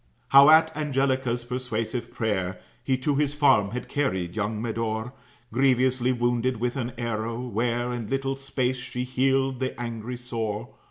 "How at Angelica's persuasive prayer, He to his farm had carried young Medore, Grievously wounded with an arrow; where In little space she healed the angry sore.